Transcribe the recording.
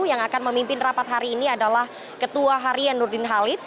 yang akan memimpin rapat hari ini adalah ketua harian nurdin halid